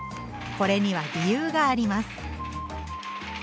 これには理由があります。